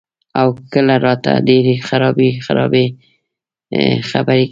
او کله راته ډېرې خرابې خرابې خبرې کئ " ـ